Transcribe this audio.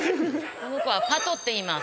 この子はパトっていいます。